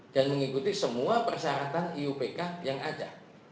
dan mengikuti semua persyaratan iupk yang ada